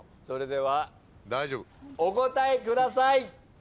それではお答えください。